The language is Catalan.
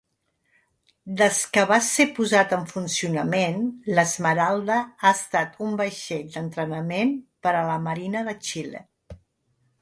Des que va ser posat en funcionament, l'Esmeralda ha estat un vaixell d'entrenament per a la marina de Xile.